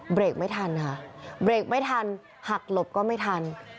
เบรกไม่ทันค่ะเบรกไม่ทันหักหลบก็ไม่ทัน